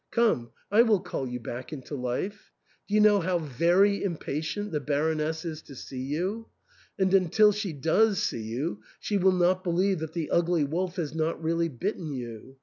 Come, I will call you back into life. Do you know how very impatient the Baroness is to see you ? And until she does see you she will not believe that the ugly wolf has not really bitten you.